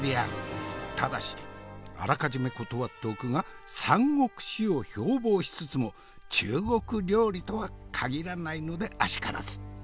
ただしあらかじめ断っておくが「三国志」を標ぼうしつつも中国料理とは限らないのであしからず。